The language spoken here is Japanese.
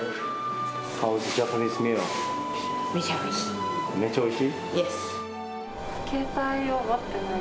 めちゃおいしい。